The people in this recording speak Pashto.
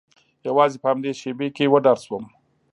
یوازې په همدې شیبې کې وډار شوم